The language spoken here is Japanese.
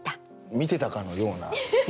見てたかのような。